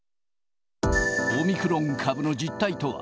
オミクロン株の実態とは。